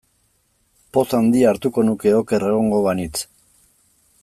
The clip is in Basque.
Poz handia hartuko nuke oker egongo banintz.